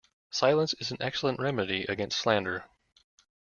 Silence is an excellent remedy against slander.